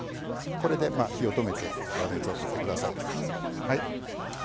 これで火を止めて粗熱をとってください。